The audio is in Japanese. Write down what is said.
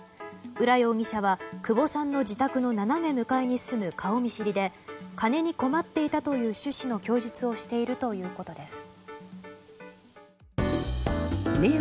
浦容疑者は久保さんの自宅の斜め向かいに住む顔見知りで金に困っていたという趣旨の供述をしているということです。